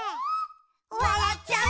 「わらっちゃう」